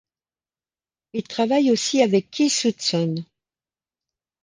Il travaille aussi avec Keith Hudson.